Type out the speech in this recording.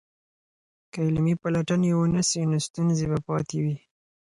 که عملي پلټنې ونه سي نو ستونزې به پاتې وي.